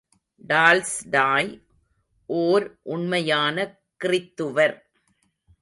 Tolstoy ஓர் உண்மையான கிறித்துவர்.